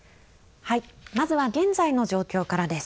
まずは現在の状況からです。